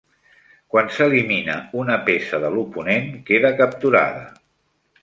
Quan s'elimina una peça de l'oponent, queda capturada.